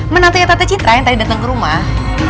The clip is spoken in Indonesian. menantinya tante citra yang tadi datang ke rumah